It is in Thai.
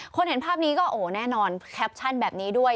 เห็นภาพนี้ก็โอ้แน่นอนแคปชั่นแบบนี้ด้วย